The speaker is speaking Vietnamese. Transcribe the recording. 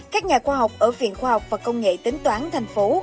các nhà khoa học ở viện khoa học và công nghệ tính toán thành phố